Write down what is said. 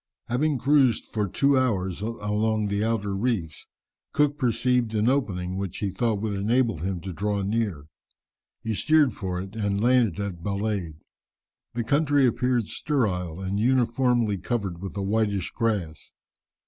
Having cruised for two hours along the outer reefs, Cook perceived an opening which he thought would enable him to draw near. He steered for it and landed at Balade. The country appeared sterile, and uniformly covered with a whitish grass.